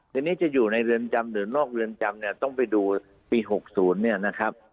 ทีนี้จะอยู่ในเรือนจำหรือนอกเรือนจำเนี่ยต้องไปดูปี๖๐เนี่ยนะครับ